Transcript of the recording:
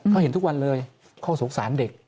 เขาเห็นทุกวันเลยเขาสงสารเด็ก